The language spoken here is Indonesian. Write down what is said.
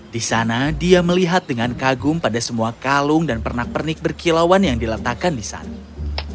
di sana dia melihat dengan kagum pada semua kalung dan pernak pernik berkilauan yang diletakkan di sana